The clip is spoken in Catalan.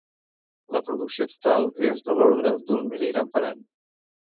La producció total és de l'ordre d'un mil·ligram per any.